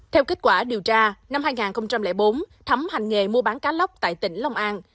theo kết quả điều tra năm hai nghìn bốn thấm hành nghề mua bán cá lóc tại tỉnh long an